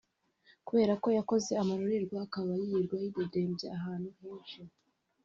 Kubera ko yakoze amarorerwa akaba yirirwa yidegembya ahantu henshi